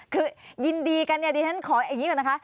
คือยินดีกันเนี่ยดิฉันขออย่างนี้ก่อนนะคะ